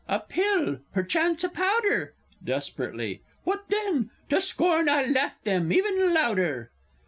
a pill ... perchance a powder! (Desperately.) What then? To scorn I'll laugh them even louder!